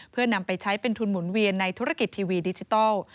เพื่อนำไปใช้เป็นทุนหมุนเวียนในธุรกิจทีวีดิจิทัล